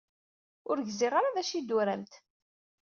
Ur gziɣ ara d acu ay d-turamt.